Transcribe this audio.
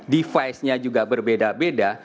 device nya juga berbeda beda